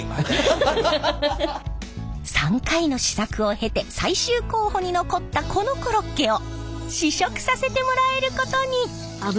３回の試作を経て最終候補に残ったこのコロッケを試食させてもらえることに。